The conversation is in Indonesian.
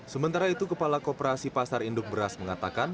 sementara itu kepala koperasi pasar induk beras mengatakan